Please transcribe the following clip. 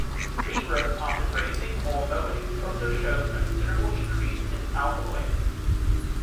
Regrowth after grazing or mowing also shows a considerable increase in alkaloids.